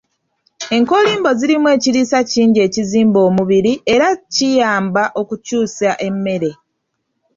Enkoolimbo zirimu ekiriisa kingi ekizimba omubiri, ekiyamba okukyusa emmere